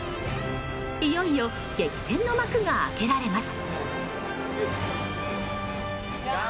いよいよ激戦の幕が開けられます。